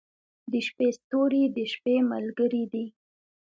• د شپې ستوري د شپې ملګري دي.